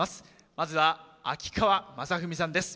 まずは秋川雅史さんです。